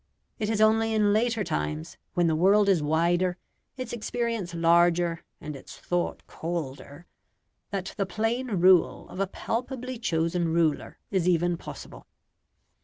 It is only in later times, when the world is wider, its experience larger, and its thought colder, that the plain rule of a palpably chosen ruler is even possible.